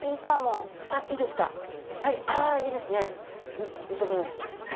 うんいいと思います。